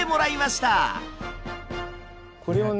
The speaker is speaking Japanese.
これをね